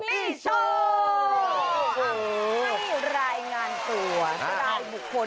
ให้รายงานตัว